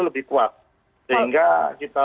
lebih kuat sehingga kita